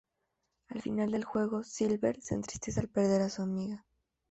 Al final del juego Silver se entristece al perder a su amiga.